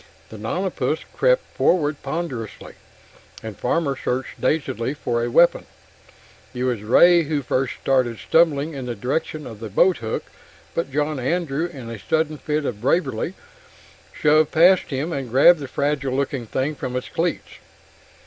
The nonapus crept forward ponderously, and Farmer searched dazedly for a weapon. It was Ray who first started stumbling in the direction of the boathook, but John Andrew, in a sudden fit of bravery, shoved past him and grabbed the fragile looking thing from its cleats.